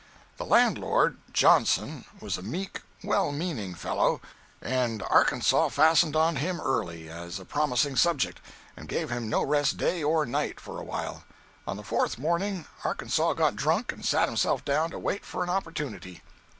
The landlord, Johnson, was a meek, well meaning fellow, and Arkansas fastened on him early, as a promising subject, and gave him no rest day or night, for awhile. On the fourth morning, Arkansas got drunk and sat himself down to wait for an opportunity.